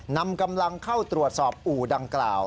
นำกำลังเข้าตรวจสอบอู่ดังกล่าว